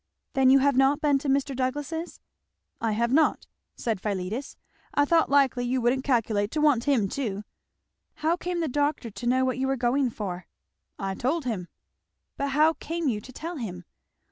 "Then you have not been to Mr. Douglass's?" "I have not," said Philetus; "I thought likely you wouldn't calculate to want him teu." "How came the doctor to know what you were going for?" "I told him." "But how came you to tell him?"